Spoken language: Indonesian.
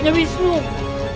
dan terus siung varian